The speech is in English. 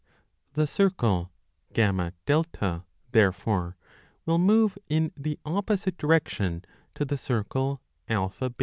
The circle FA therefore will move in the opposite 3 direction to the circle AB.